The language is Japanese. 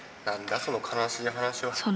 何だその悲しい話は。